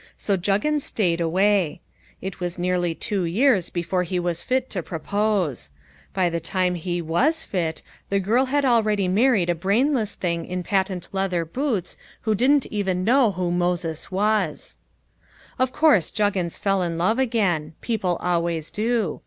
So Juggins stayed away. It was nearly two years before he was fit to propose. By the time he was fit, the girl had already married a brainless thing in patent leather boots who didn't even know who Moses was. Of course Juggins fell in love again. People always do.